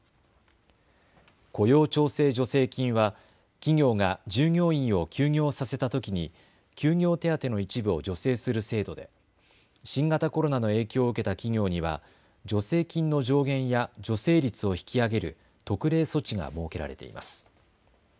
雇用調整助成金は企業が従業員を休業させたときに休業手当の一部を助成する制度で新型コロナの影響を受けた企業には助成金の上限や助成率を引き上げる特例措置が設けられています。